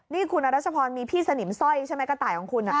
นี่คุณอรัชพรมีพี่สนิมสร้อยใช่ไหมกระต่ายของคุณ